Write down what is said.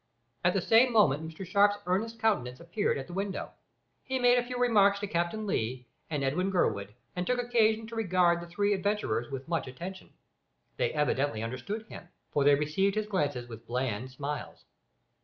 At the same moment Mr Sharp's earnest countenance appeared at the window. He made a few remarks to Captain Lee and Edwin Gurwood, and took occasion to regard the three adventurers with much attention. They evidently understood him, for they received his glances with bland smiles.